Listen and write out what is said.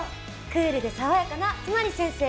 クールで爽やかな都成先生